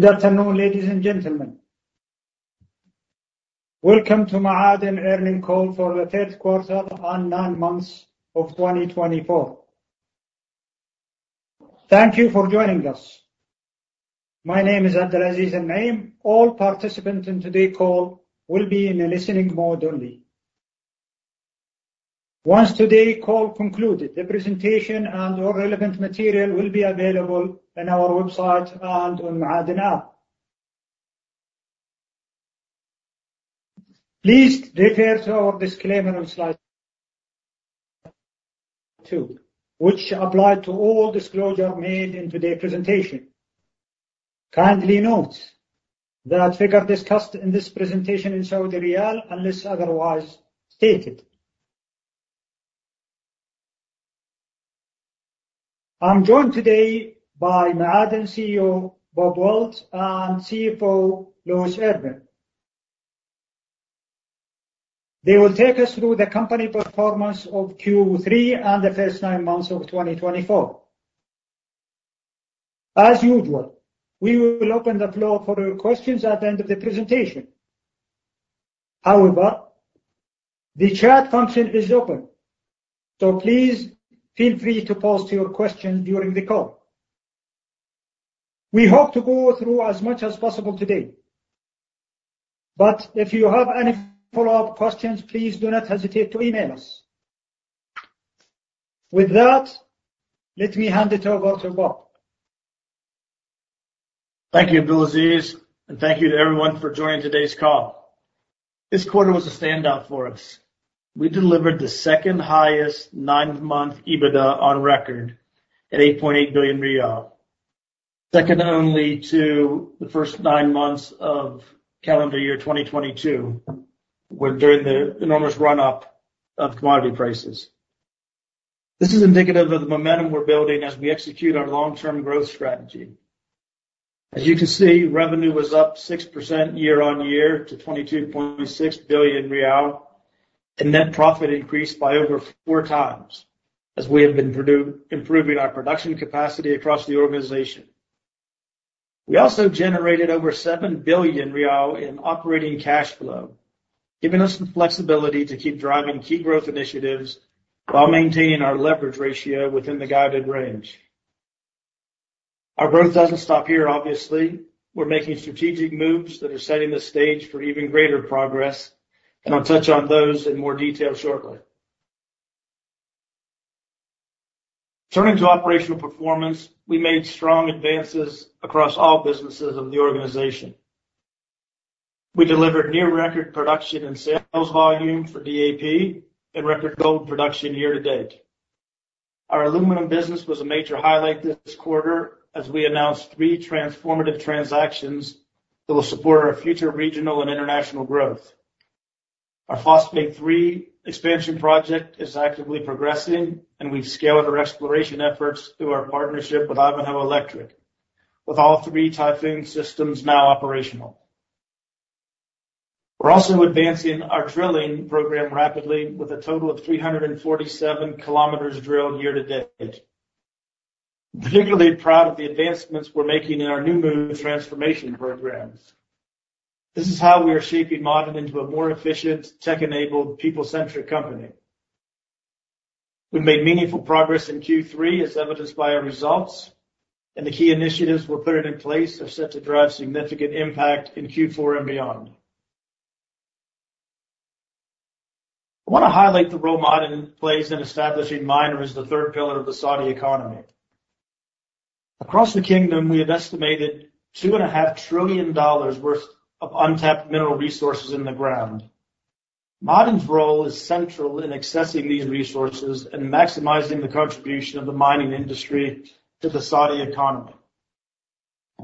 Good afternoon, ladies and gentlemen. Welcome to Ma'aden Earnings Call for the third quarter and nine months of 2024. Thank you for joining us. My name is Abdulaziz AlNaim. All participants in today's call will be in a listening mode only. Once today's call concluded, the presentation and all relevant material will be available on our website and on Ma'aden app. Please refer to our disclaimer on slide two, which apply to all disclosure made in today's presentation. Kindly note that our figures discussed in this presentation in Saudi riyal, unless otherwise stated. I'm joined today by Ma'aden CEO, Bob Wilt, and CFO, Louis Irvine. They will take us through the company performance of Q3 and the first nine months of 2024. As usual, we will open the floor for your questions at the end of the presentation. However, the chat function is open, so please feel free to post your questions during the call. We hope to go through as much as possible today. If you have any follow-up questions, please do not hesitate to email us. With that, let me hand it over to Bob. Thank you, Abdulaziz, and thank you to everyone for joining today's call. This quarter was a standout for us. We delivered the second-highest nine-month EBITDA on record at 8.8 billion riyal, second only to the first nine months of calendar year 2022, where during the enormous run-up of commodity prices. This is indicative of the momentum we're building as we execute our long-term growth strategy. As you can see, revenue was up 6% year-on-year to SAR 22.6 billion, and net profit increased by over four times as we have been improving our production capacity across the organization. We also generated over 7 billion riyal in operating cash flow, giving us the flexibility to keep driving key growth initiatives while maintaining our leverage ratio within the guided range. Our growth doesn't stop here, obviously. We're making strategic moves that are setting the stage for even greater progress, and I'll touch on those in more detail shortly. Turning to operational performance, we made strong advances across all businesses of the organization. We delivered near record production and sales volume for DAP and record gold production year to date. Our aluminum business was a major highlight this quarter as we announced three transformative transactions that will support our future regional and international growth. Our Phosphate 3 expansion project is actively progressing, and we've scaled our exploration efforts through our partnership with Ivanhoe Electric, with all three Typhoon systems now operational. We're also advancing our drilling program rapidly with a total of 347 km drilled year to date. Particularly proud of the advancements we're making in our Ma'aden transformation programs. This is how we are shaping Ma'aden into a more efficient, tech-enabled, people-centric company. We've made meaningful progress in Q3 as evidenced by our results, and the key initiatives we're putting in place are set to drive significant impact in Q4 and beyond. I wanna highlight the role Ma'aden plays in establishing mining as the third pillar of the Saudi economy. Across the kingdom, we have estimated $2.5 trillion worth of untapped mineral resources in the ground. Ma'aden's role is central in accessing these resources and maximizing the contribution of the mining industry to the Saudi economy.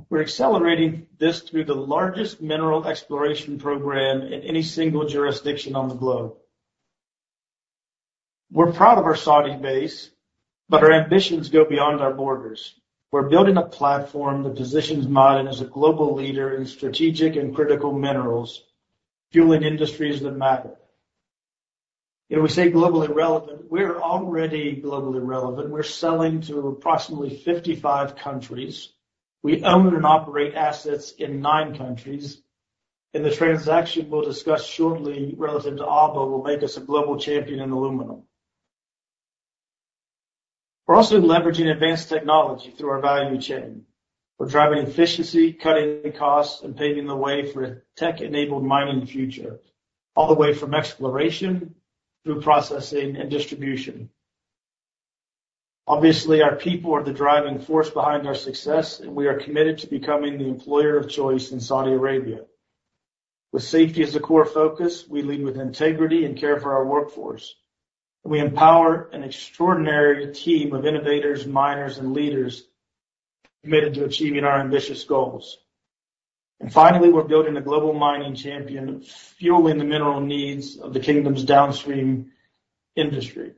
We're accelerating this through the largest mineral exploration program in any single jurisdiction on the globe. We're proud of our Saudi base, but our ambitions go beyond our borders. We're building a platform that positions Ma'aden as a global leader in strategic and critical minerals, fueling industries that matter. If we say globally relevant, we're already globally relevant. We're selling to approximately 55 countries. We own and operate assets in nine countries. The transaction we'll discuss shortly relative to Alba will make us a global champion in aluminum. We're also leveraging advanced technology through our value chain. We're driving efficiency, cutting costs, and paving the way for a tech-enabled mining future, all the way from exploration through processing and distribution. Obviously, our people are the driving force behind our success, and we are committed to becoming the employer of choice in Saudi Arabia. With safety as a core focus, we lead with integrity and care for our workforce. We empower an extraordinary team of innovators, miners, and leaders committed to achieving our ambitious goals. Finally, we're building a global mining champion, fueling the mineral needs of the kingdom's downstream industry.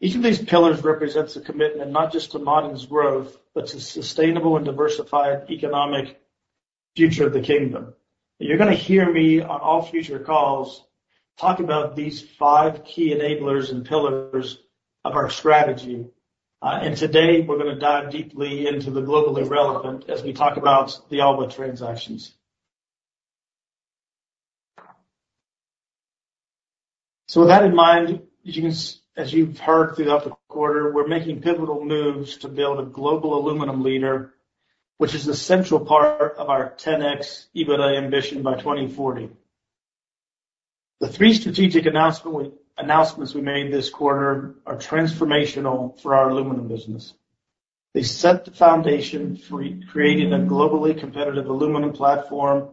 Each of these pillars represents a commitment not just to Ma'aden's growth, but to sustainable and diversified economic future of the kingdom. You're gonna hear me on all future calls, talk about these five key enablers and pillars of our strategy. Today we're gonna dive deeply into the globally relevant as we talk about the Alba transactions. With that in mind, as you've heard throughout the quarter, we're making pivotal moves to build a global aluminum leader, which is a central part of our 10x EBITDA ambition by 2040. The three strategic announcements we made this quarter are transformational for our aluminum business. They set the foundation for creating a globally competitive aluminum platform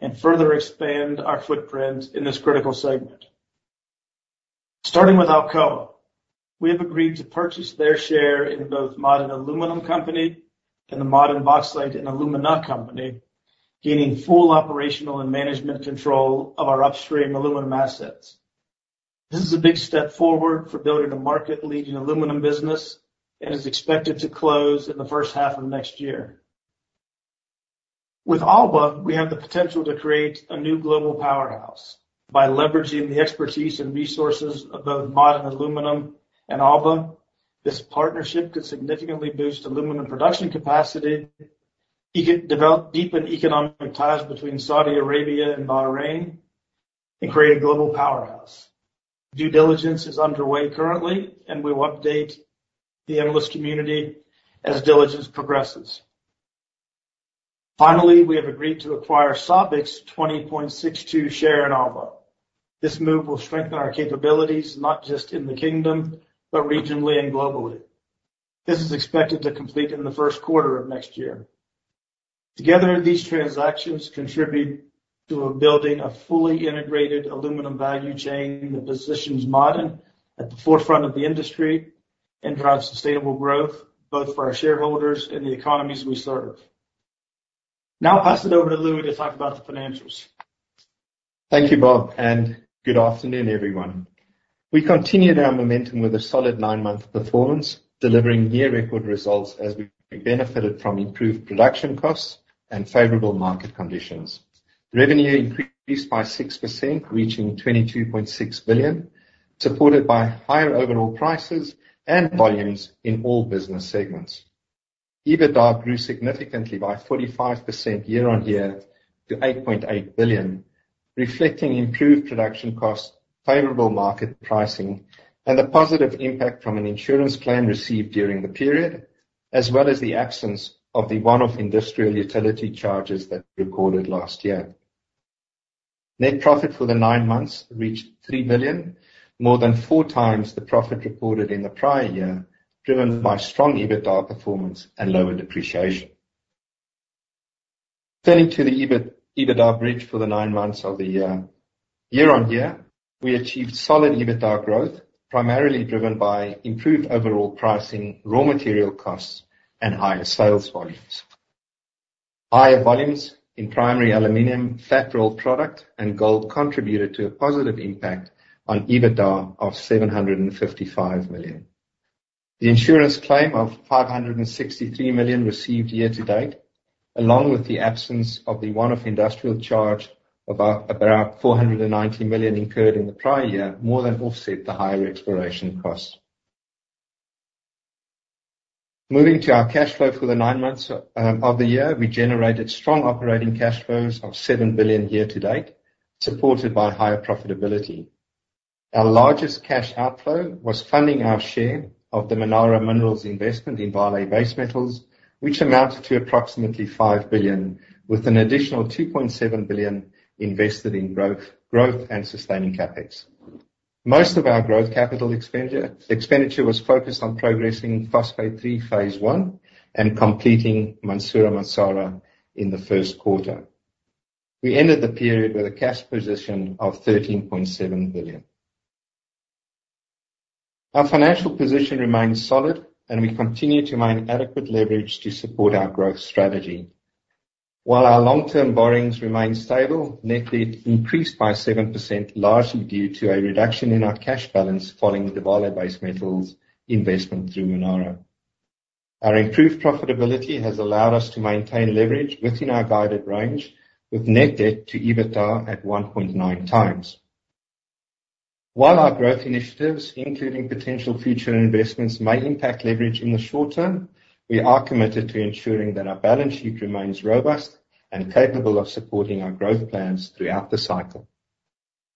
and further expand our footprint in this critical segment. Starting with Alcoa, we have agreed to purchase their share in both Ma'aden Aluminium Company and the Ma'aden Bauxite and Alumina Company, gaining full operational and management control of our upstream aluminum assets. This is a big step forward for building a market-leading aluminum business and is expected to close in the first half of next year. With Alba, we have the potential to create a new global powerhouse. By leveraging the expertise and resources of both Ma'aden Aluminium Company and Alba, this partnership could significantly boost aluminum production capacity, and develop, deepen economic ties between Saudi Arabia and Bahrain, and create a global powerhouse. Due diligence is underway currently, and we will update the analyst community as diligence progresses. Finally, we have agreed to acquire SABIC's 20.62% share in Alba. This move will strengthen our capabilities, not just in the Kingdom, but regionally and globally. This is expected to complete in the first quarter of next year. Together, these transactions contribute to building a fully integrated aluminum value chain that positions Ma'aden at the forefront of the industry and drives sustainable growth both for our shareholders and the economies we serve. Now I'll pass it over to Louis Irvine to talk about the financials. Thank you, Bob, and good afternoon, everyone. We continued our momentum with a solid nine-month performance, delivering near record results as we benefited from improved production costs and favorable market conditions. Revenue increased by 6%, reaching 22.6 billion, supported by higher overall prices and volumes in all business segments. EBITDA grew significantly by 45% year-on-year to 8.8 billion, reflecting improved production costs, favorable market pricing, and the positive impact from an insurance claim received during the period, as well as the absence of the one-off industrial utility charges that we recorded last year. Net profit for the nine months reached 3 billion, more than four times the profit reported in the prior year, driven by strong EBITDA performance and lower depreciation. Turning to the EBITDA bridge for the nine months of the year. Year-on-year, we achieved solid EBITDA growth, primarily driven by improved overall pricing, raw material costs, and higher sales volumes. Higher volumes in primary aluminum, flat rolled product, and gold contributed to a positive impact on EBITDA of 755 million. The insurance claim of 563 million received year to date, along with the absence of the one-off industrial charge, about 490 million incurred in the prior year, more than offset the higher exploration costs. Moving to our cash flow for the nine months of the year, we generated strong operating cash flows of 7 billion year to date, supported by higher profitability. Our largest cash outflow was funding our share of the Manara Minerals investment in Vale Base Metals, which amounted to approximately 5 billion, with an additional 2.7 billion invested in growth and sustaining CapEx. Most of our growth capital expenditure was focused on progressing Phosphate 3 phase I and completing Mansourah-Massarah in the first quarter. We ended the period with a cash position of 13.7 billion. Our financial position remains solid, and we continue to maintain adequate leverage to support our growth strategy. While our long-term borrowings remain stable, net debt increased by 7%, largely due to a reduction in our cash balance following the Vale Base Metals investment through Manara. Our improved profitability has allowed us to maintain leverage within our guided range with net debt to EBITDA at 1.9 times. While our growth initiatives, including potential future investments may impact leverage in the short term, we are committed to ensuring that our balance sheet remains robust and capable of supporting our growth plans throughout the cycle.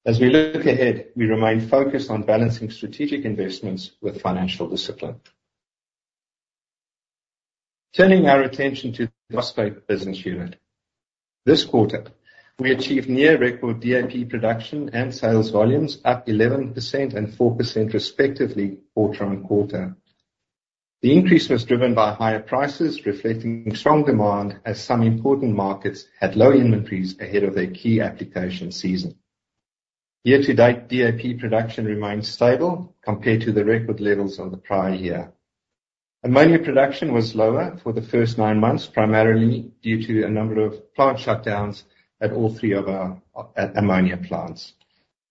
As we look ahead, we remain focused on balancing strategic investments with financial discipline. Turning our attention to the phosphate business unit. This quarter, we achieved near-record DAP production and sales volumes, up 11% and 4% respectively quarter-on-quarter. The increase was driven by higher prices, reflecting strong demand as some important markets had low inventories ahead of their key application season. Year to date, DAP production remains stable compared to the record levels of the prior year. Ammonia production was lower for the first nine months, primarily due to a number of plant shutdowns at all three of our ammonia plants.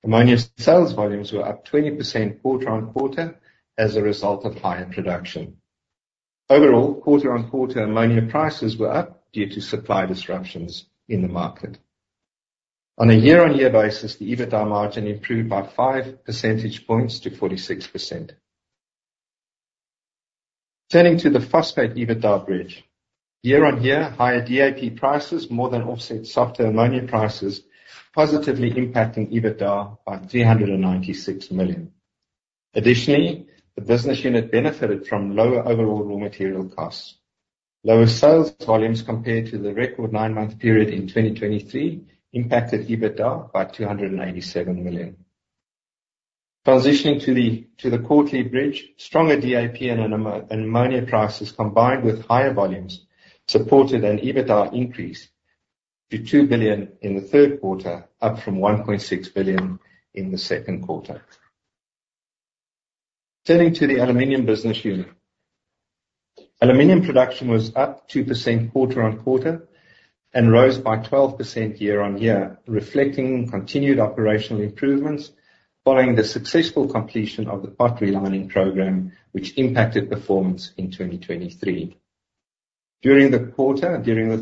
Ammonia sales volumes were up 20% quarter-on-quarter as a result of higher production. Overall, quarter-on-quarter ammonia prices were up due to supply disruptions in the market. On a year-on-year basis, the EBITDA margin improved by 5 percentage points to 46%. Turning to the phosphate EBITDA bridge. Year-on-year, higher DAP prices more than offset softer ammonia prices, positively impacting EBITDA by 396 million. Additionally, the business unit benefited from lower overall raw material costs. Lower sales volumes compared to the record nine-month period in 2023 impacted EBITDA by 287 million. Transitioning to the quarterly bridge, stronger DAP and ammonia prices, combined with higher volumes, supported an EBITDA increase to 2 billion in the third quarter, up from 1.6 billion in the second quarter. Turning to the aluminum business unit. Aluminum production was up 2% quarter-on-quarter and rose by 12% year-on-year, reflecting continued operational improvements following the successful completion of the pot relining program, which impacted performance in 2023. During the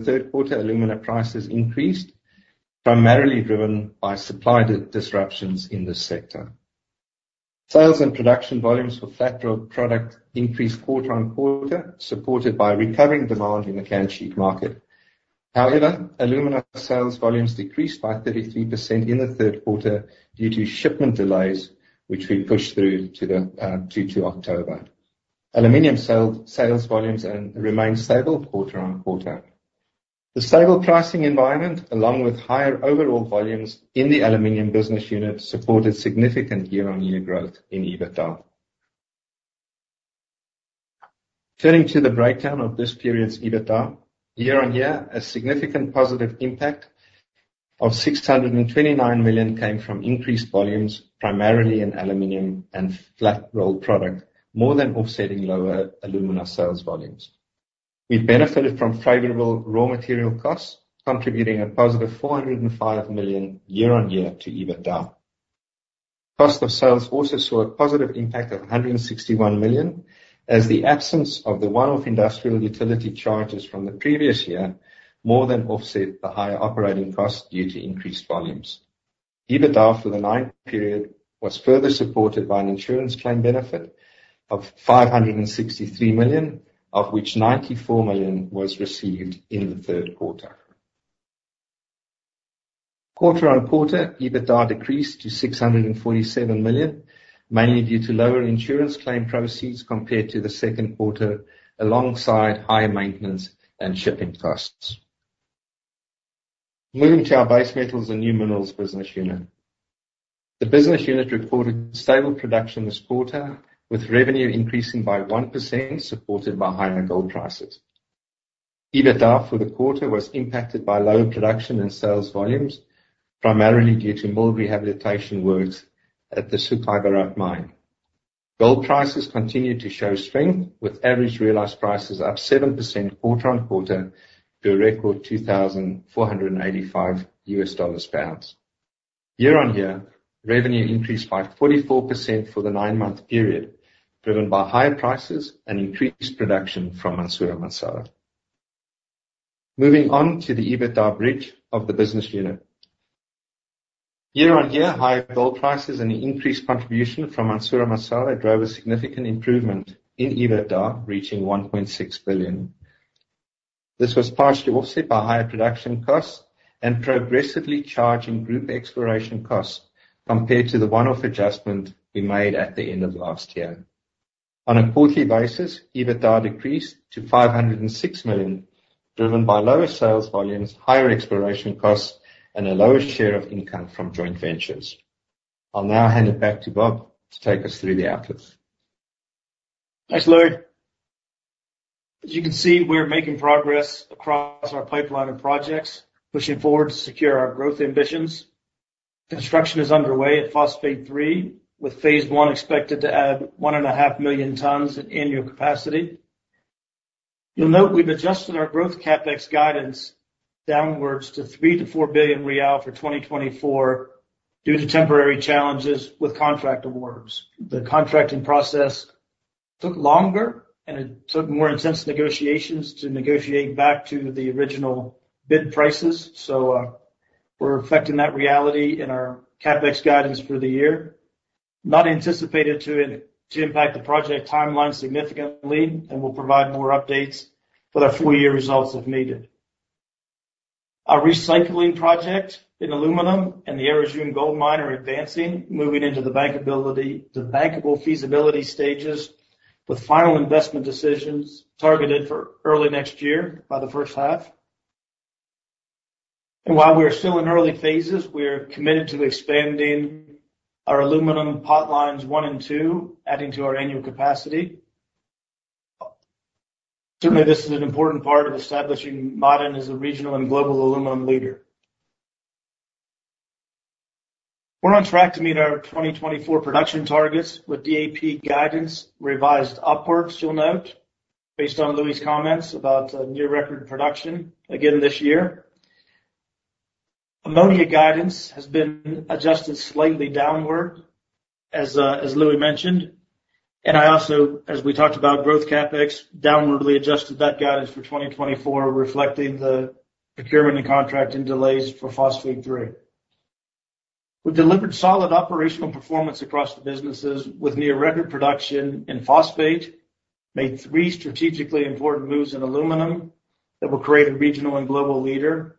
third quarter, alumina prices increased, primarily driven by supply disruptions in the sector. Sales and production volumes for flat-rolled product increased quarter-on-quarter, supported by recovering demand in the can sheet market. However, alumina sales volumes decreased by 33% in the third quarter due to shipment delays, which we pushed through to October. Aluminum sales volumes remained stable quarter-on-quarter. The stable pricing environment, along with higher overall volumes in the aluminum business unit, supported significant year-on-year growth in EBITDA. Turning to the breakdown of this period's EBITDA. Year-on-year, a significant positive impact of 629 million came from increased volumes, primarily in aluminum and flat rolled product, more than offsetting lower alumina sales volumes. We benefited from favorable raw material costs, contributing a positive 405 million year-on-year to EBITDA. Cost of sales also saw a positive impact of 161 million, as the absence of the one-off industrial utility charges from the previous year more than offset the higher operating costs due to increased volumes. EBITDA for the nine-month period was further supported by an insurance claim benefit of 563 million, of which 94 million was received in the third quarter. Quarter-on-quarter, EBITDA decreased to 647 million, mainly due to lower insurance claim proceeds compared to the second quarter, alongside higher maintenance and shipping costs. Moving to our base metals and new minerals business unit. The business unit reported stable production this quarter, with revenue increasing by 1%, supported by higher gold prices. EBITDA for the quarter was impacted by lower production and sales volumes, primarily due to mine rehabilitation works at the Sukhaybarat mine. Gold prices continued to show strength, with average realized prices up 7% quarter-on-quarter to a record $2,485 per ounce. Year-on-year, revenue increased by 44% for the nine-month period, driven by higher prices and increased production from Mansourah-Massarah. Moving on to the EBITDA bridge of the business unit. Year-on-year, higher gold prices and increased contribution from Mansourah-Massarah drove a significant improvement in EBITDA, reaching 1.6 billion. This was partially offset by higher production costs and progressively charging group exploration costs compared to the one-off adjustment we made at the end of last year. On a quarterly basis, EBITDA decreased to 506 million, driven by lower sales volumes, higher exploration costs, and a lower share of income from joint ventures. I'll now hand it back to Bob to take us through the outlooks. Thanks, Louis. As you can see, we're making progress across our pipeline of projects, pushing forward to secure our growth ambitions. Construction is underway at Phosphate 3, with phase I expected to add 1.5 million tons in annual capacity. You'll note we've adjusted our growth CapEx guidance downwards to SAR 3 billion-SAR 4 billion for 2024 due to temporary challenges with contract awards. The contracting process took longer, and it took more intense negotiations to negotiate back to the original bid prices. We're reflecting that reality in our CapEx guidance for the year. Not anticipated to impact the project timeline significantly, and we'll provide more updates for our full year results if needed. Our recycling project in aluminum and the Ar Rjum Gold Mine are advancing, moving into the bankable feasibility stages, with final investment decisions targeted for early next year by the first half. While we are still in early phases, we are committed to expanding our aluminum pot lines one and two, adding to our annual capacity. Certainly, this is an important part of establishing Ma'aden as a regional and global aluminum leader. We're on track to meet our 2024 production targets with DAP guidance revised upwards, you'll note, based on Louis' comments about near record production again this year. Ammonia guidance has been adjusted slightly downward, as Louis mentioned. I also, as we talked about growth CapEx, downwardly adjusted that guidance for 2024, reflecting the procurement and contracting delays for Phosphate 3. We delivered solid operational performance across the businesses with near record production in phosphate, made three strategically important moves in aluminum that will create a regional and global leader.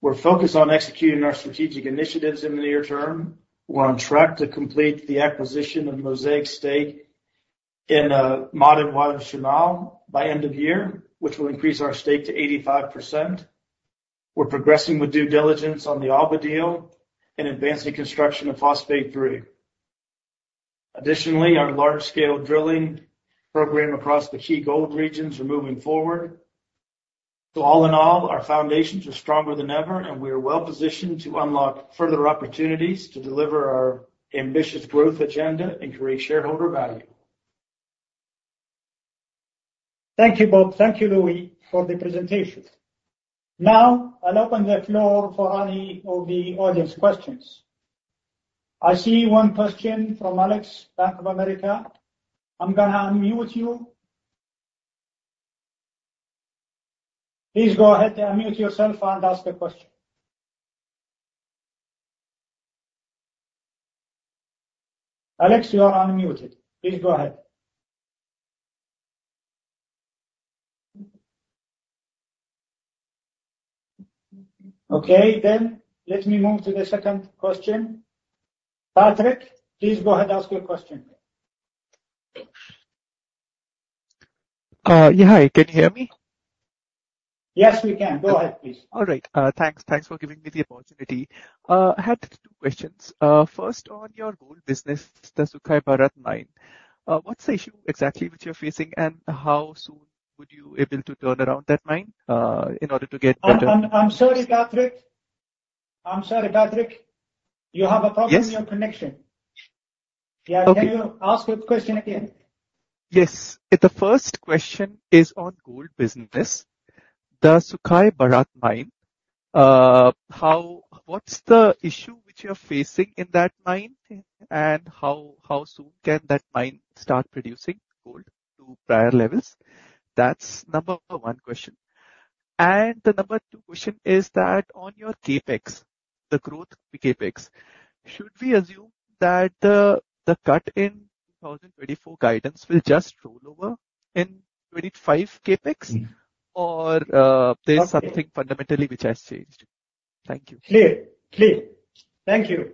We're focused on executing our strategic initiatives in the near term. We're on track to complete the acquisition of Mosaic's stake in Ma'aden Wa'ad Al Shamal by end of year, which will increase our stake to 85%. We're progressing with due diligence on the Alba deal and advancing construction of Phosphate 3. Additionally, our large scale drilling program across the key gold regions are moving forward. All in all, our foundations are stronger than ever, and we are well-positioned to unlock further opportunities to deliver our ambitious growth agenda and create shareholder value. Thank you, Bob. Thank you, Louis, for the presentation. Now, I'll open the floor for any of the audience questions. I see one question from Alex, Bank of America. I'm gonna unmute you. Please go ahead and unmute yourself and ask the question. Alex, you are unmuted. Please go ahead. Okay, let me move to the second question. Patrick, please go ahead and ask your question. Yeah. Hi, can you hear me? Yes, we can. Go ahead, please. All right. Thanks for giving me the opportunity. I had two questions. First on your gold business, the Sukhaybarat mine. What's the issue exactly which you're facing, and how soon would you be able to turn around that mine, in order to get better- I'm sorry, Patrick. You have a problem with your connection. Yes. Yeah. Okay. Can you ask your question again? Yes. The first question is on gold business. The Sukhaybarat Mine, what's the issue which you're facing in that mine, and how soon can that mine start producing gold to prior levels? That's number one question. The number two question is that on your CapEx, the growth CapEx, should we assume that the cut in 2024 guidance will just roll over in 2025 CapEx or, Okay. There's something fundamentally which has changed? Thank you. Clear. Thank you.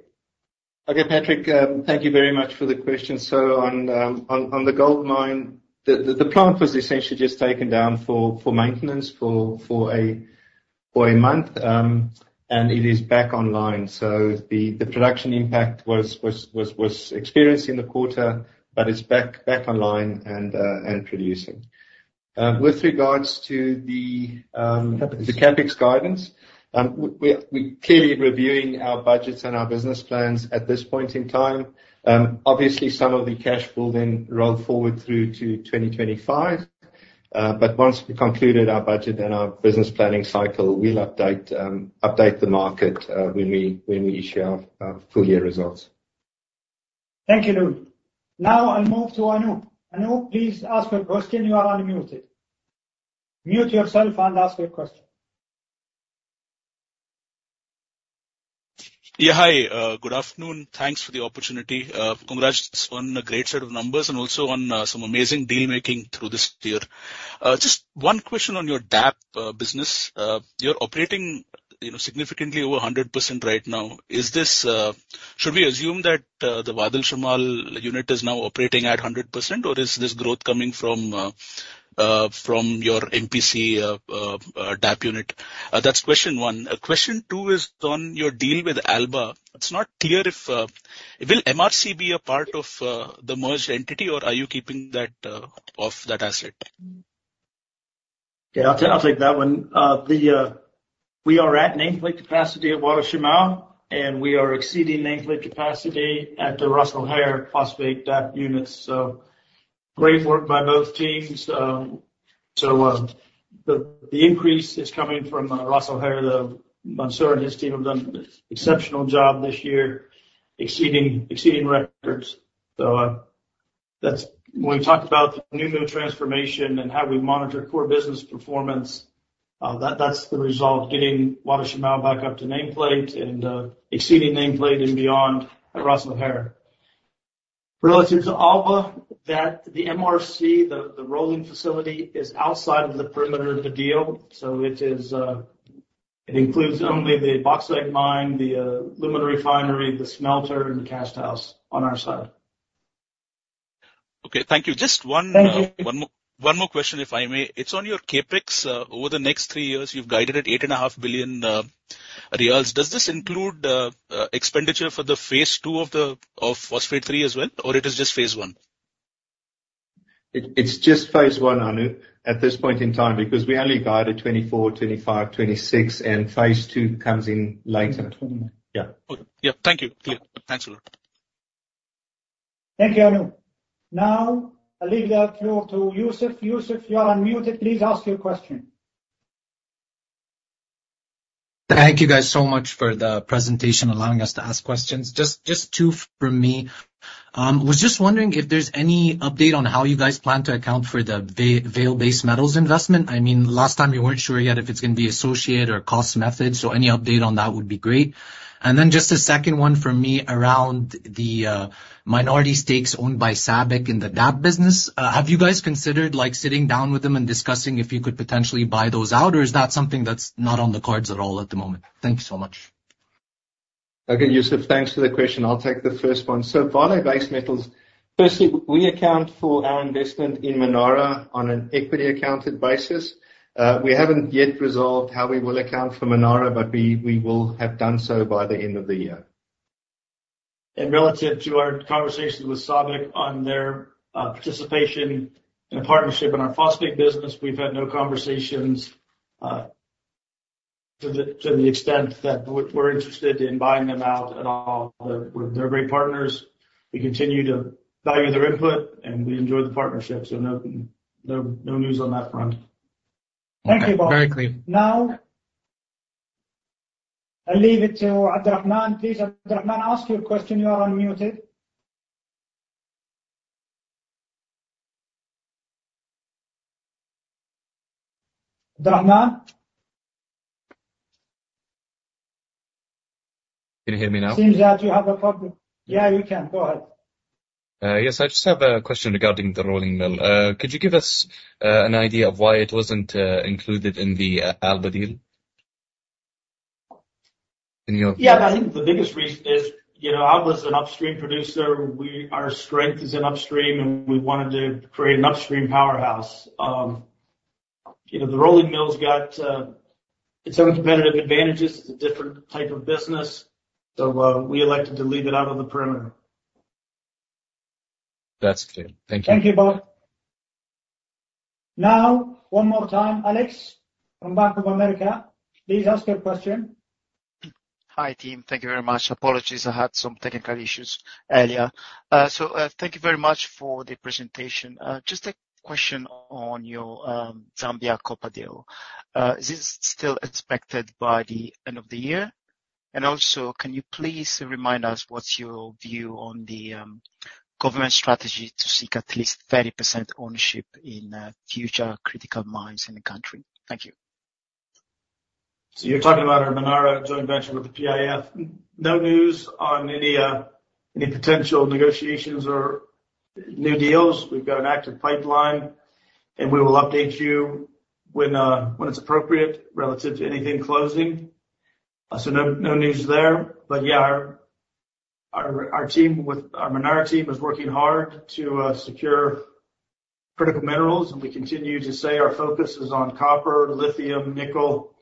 Okay, Patrick, thank you very much for the question. On the gold mine, the plant was essentially just taken down for maintenance for a month, and it is back online. The production impact was experienced in the quarter, but it's back online and producing. With regards to the. CapEx. The CapEx guidance, we're clearly reviewing our budgets and our business plans at this point in time. Obviously some of the cash will then roll forward through to 2025. Once we concluded our budget and our business planning cycle, we'll update the market when we issue our full year results. Thank you, Louis. Now I'll move to Anup. Anup, please ask your question. You are muted. Unmute yourself and ask your question. Yeah. Hi, good afternoon. Thanks for the opportunity. Congrats on a great set of numbers and also on some amazing deal-making through this year. Just one question on your DAP business. You're operating, you know, significantly over 100% right now. Should we assume that the Wa'ad Al Shamal unit is now operating at 100%, or is this growth coming from your MPC DAP unit? That's question one. Question two is on your deal with Alba. It's not clear if will MRC be a part of the merged entity, or are you keeping that off that asset? Yeah, I'll take that one. We are at nameplate capacity at Wa'ad Al Shamal, and we are exceeding nameplate capacity at the Ras Al Khair Phosphate DAP unit. Great work by both teams. The increase is coming from Ras Al Khair. Mansour and his team have done an exceptional job this year, exceeding records. That's when we talked about the Ma'aden transformation and how we monitor core business performance, that's the result, getting Wa'ad Al Shamal back up to nameplate and exceeding nameplate and beyond at Ras Al Khair. Relative to Alba, the MRC, the rolling facility is outside of the perimeter of the deal. It includes only the bauxite mine, the alumina refinery, the smelter, and the cast house on our side. Okay. Thank you. Thank you. One more question, if I may. It's on your CapEx. Over the next three years, you've guided at 8.5 billion riyals. Does this include expenditure for the phase II of Phosphate 3 as well, or is it just phase I? It's just phase I, Anup, at this point in time, because we only guided 2024, 2025, 2026, and phase II comes in later. 2029. Yeah. Good. Yeah. Thank you. Clear. Thanks a lot. Thank you, Anup. Now, I leave the floor to Yusuf. Yusuf, you are unmuted. Please ask your question. Thank you guys so much for the presentation, allowing us to ask questions. Just two from me. Was just wondering if there's any update on how you guys plan to account for the Vale Base Metals investment. I mean, last time you weren't sure yet if it's gonna be associated or cost method. Any update on that would be great. Just a second one for me around the minority stakes owned by SABIC in the DAP business. Have you guys considered like sitting down with them and discussing if you could potentially buy those out or is that something that's not on the cards at all at the moment? Thank you so much. Okay, Yusuf, thanks for the question. I'll take the first one. Vale Base Metals, firstly, we account for our investment in Manara on an equity accounted basis. We haven't yet resolved how we will account for Manara, but we will have done so by the end of the year. Relative to our conversations with SABIC on their participation and partnership in our phosphate business, we've had no conversations to the extent that we're interested in buying them out at all. They're great partners. We continue to value their input, and we enjoy the partnership. No news on that front. Thank you, Bob. Very clear. Now, I leave it to Abdulrahman. Please, Abdulrahman, ask your question. You are unmuted. Abdulrahman? Can you hear me now? Seems that you have a problem. Yeah, you can go ahead. Yes. I just have a question regarding the rolling mill. Could you give us an idea of why it wasn't included in the Alba deal? Yeah. I think the biggest reason is, you know, I was an upstream producer. Our strength is in upstream, and we wanted to create an upstream powerhouse. You know, the rolling mill's got its own competitive advantages. It's a different type of business. We elected to leave it out of the perimeter. That's clear. Thank you. Thank you, Bob. Now, one more time, Alex from Bank of America, please ask your question. Hi, team. Thank you very much. Apologies, I had some technical issues earlier. Thank you very much for the presentation. Just a question on your Zambia copper deal. Is this still expected by the end of the year? Also, can you please remind us what's your view on the government strategy to seek at least 30% ownership in future critical mines in the country? Thank you. You're talking about our Manara joint venture with the PIF. No news on any potential negotiations or new deals. We've got an active pipeline, and we will update you when it's appropriate relative to anything closing. No news there. Yeah, our Manara team is working hard to secure critical minerals, and we continue to say our focus is on copper, lithium, nickel,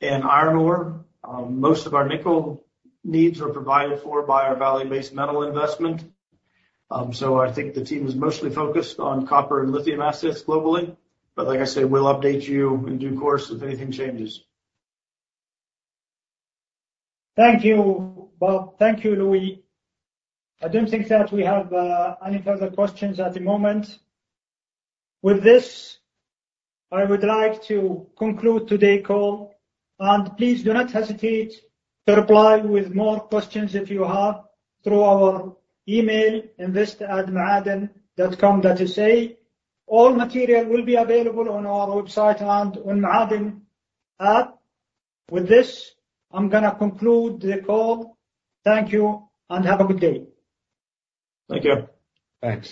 and iron ore. Most of our nickel needs are provided for by our Vale Base Metals investment. I think the team is mostly focused on copper and lithium assets globally. Like I said, we'll update you in due course if anything changes. Thank you, Bob. Thank you, Louie. I don't think that we have any further questions at the moment. With this, I would like to conclude today call. Please do not hesitate to reply with more questions if you have through our email, invest@maaden.com.sa. All material will be available on our website and on Ma'aden app. With this, I'm gonna conclude the call. Thank you and have a good day. Thank you. Thanks.